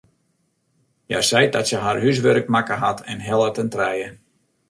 Hja seit dat se har húswurk makke hat en hellet in trije.